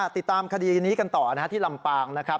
ติดตามคดีนี้กันต่อที่ลำปางนะครับ